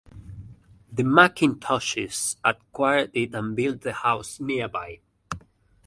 The Mackintoshes acquired it and built the house nearby.